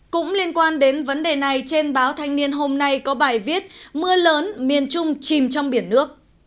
cũng liên quan đến vấn đề này trên báo thanh niên hôm nay có bài viết mưa lớn miền trung chìm trong biển nước